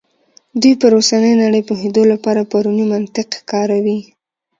دوی پر اوسنۍ نړۍ پوهېدو لپاره پرونی منطق کاروي.